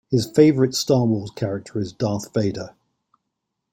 His favorite Star Wars character is Darth Vader.